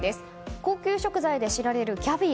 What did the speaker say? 高級食材で知られるキャビア。